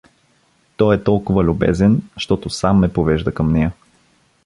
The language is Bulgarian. Той е толкова любезен, щото сам ме повежда към нея.